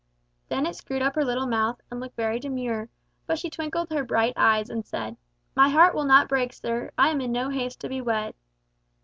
Dennet screwed up her little mouth, and looked very demure, but she twinkled her bright eyes, and said, "My heart will not break, sir; I am in no haste to be wed."